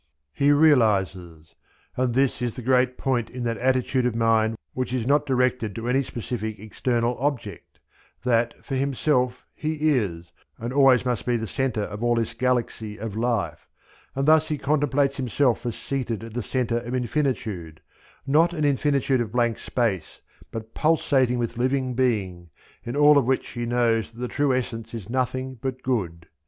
He realizes and this is the great point in that attitude of mind which is not directed to any specific external object that, for himself, he is, and always must be the centre of all this galaxy of Life, and thus he contemplates himself as seated at the centre of infinitude, not an infinitude of blank space, but pulsating with living being, in all of which he knows that the true essence is nothing but good.